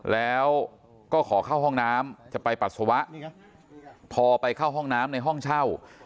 แล้วก็ขอเข้าห้องน้ำจะไปปัสสาวะพอไปเข้าห้องน้ำในห้องเช่า